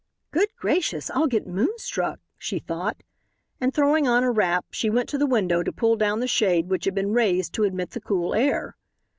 "Good gracious, I'll get moonstruck," she thought, and throwing on a wrap she went to the window to pull down the shade which had been raised to admit the cool air.